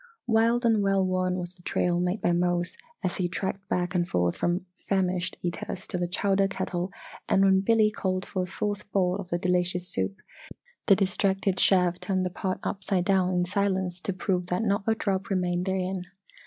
Wide and well worn was the trail made by Mose as he tracked back and forth from famished eaters to the chowder kettle and when Billy called for a fourth bowl of the delicious soup, the distracted chef turned the pot upside down in silence to prove that not a drop remained therein.